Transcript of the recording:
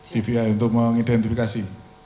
dvi untuk mengidentifikasi